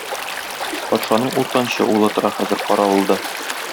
Патшаның уртанчы улы тора хәзер каравылда.